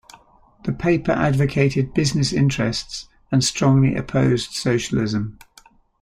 The paper advocated business interests and strongly opposed socialism.